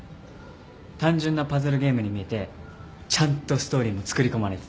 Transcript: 単純なパズルゲームに見えてちゃんとストーリーもつくり込まれてて。